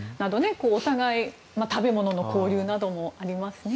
お互いに食べ物の交流などもありますね。